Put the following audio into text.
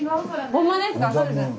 ほんまですか？